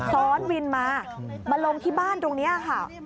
ซ้อนวินมามาลงที่บ้านตรงนี้ค่ะ